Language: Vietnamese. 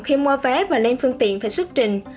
khi mua vé và lên phương tiện phải xuất trình